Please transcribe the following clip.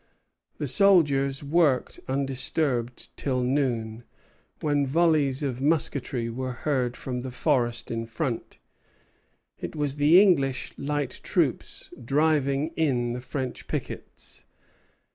The soldiers worked undisturbed till noon, when volleys of musketry were heard from the forest in front. It was the English light troops driving in the French pickets.